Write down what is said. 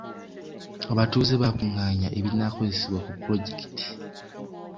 Abatuuze baakungaanya ebinaakozesebwa ku pulojekiti.